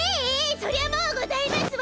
そりゃもうございますわ。